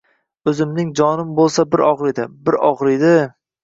Oʼzimning jonim boʼlsa bir ogʼriydi, bir ogʼriydi!